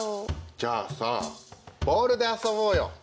じゃあさボールで遊ぼうよ。